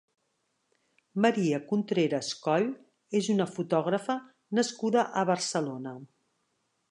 Maria Contreras Coll és una fotògrafa nascuda a Barcelona.